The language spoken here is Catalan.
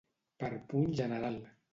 Per punt general.